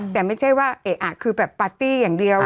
แต่ไม่ใช่ว่าเอ๊ะอ่ะคือแบบปาร์ตี้อย่างเดียว